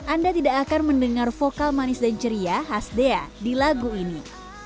anda tidak akan mendengar vokal manis dan ceria khas dea di lagu ini